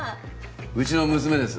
うちの娘です。